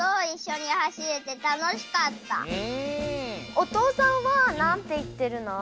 おとうさんはなんていってるの？